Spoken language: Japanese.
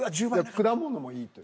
果物もいいという。